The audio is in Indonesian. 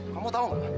kamu tahu nggak